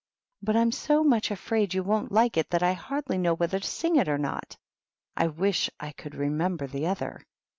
" But I'm so much afraid you won't like it that I hardly know whether to sing it or not. I wish I could re member the other.